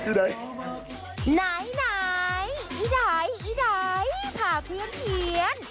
ไหนไอ้ไหนไอ้ไหนพาเพี้ยน